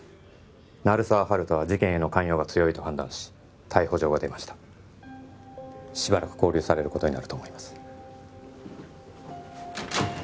鳴沢温人は事件への関与が強いと判断し逮捕状が出ましたしばらく勾留されることになると思います